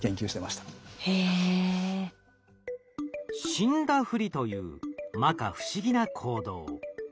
死んだふりというまか不思議な行動。